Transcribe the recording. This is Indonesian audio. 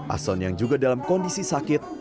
ahson yang juga dalam kondisi sakit